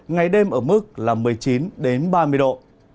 ngày đêm ở mức là một mươi chín ba mươi độ